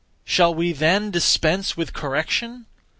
Shall we then dispense with correction?